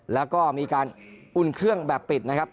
แล้วก็มีการอุ่นเครื่องแบบปิดนะครับ